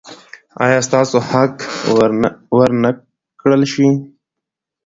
ایا ستاسو حق به ور نه کړل شي؟